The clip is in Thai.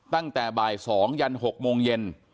ตั้งแต่บ่าย๒ยัน๖โมงเย็น